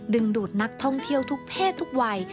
ดูดนักท่องเที่ยวทุกเพศทุกวัย